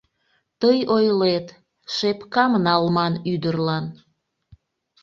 Тый ойлет: «Шепкам налман ӱдырлан».